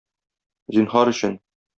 Зинһар өчен...